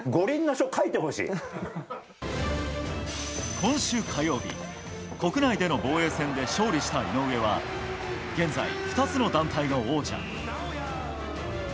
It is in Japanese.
今週火曜日、国内での防衛戦で勝利した井上は現在、２つの団体の王者。